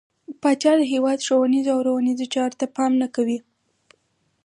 پاچا د هيواد ښونيرو او روزنيزو چارو ته پام نه کوي.